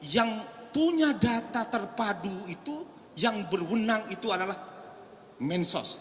yang punya data terpadu itu yang berwenang itu adalah mensos